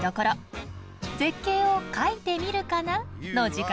絶景を「描いてみるかな」の時間です。